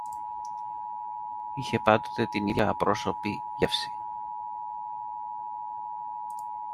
είχε πάντοτε την ίδια απρόσωπη γεύση